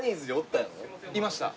いました。